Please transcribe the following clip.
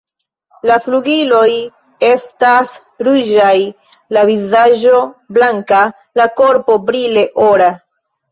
La flugiloj estas ruĝaj, la vizaĝo blanka, la korpo brile ora.